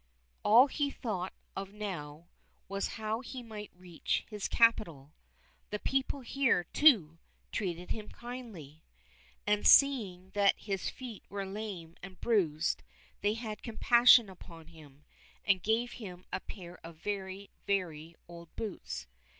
All he thought of now was how he might reach his capital. The people here, too, treated him kindly, and seeing that his feet were lame and bruised, they had compassion upon him, and gave him a pair of very, very old boots.